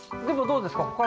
でもどうですか？